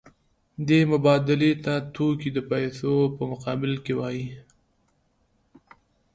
دې مبادلې ته توکي د پیسو په مقابل کې وايي